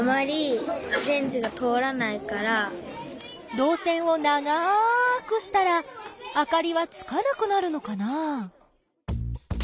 どう線を長くしたらあかりはつかなくなるのかな？